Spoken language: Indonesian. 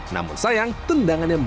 namun sayang tendangannya mahal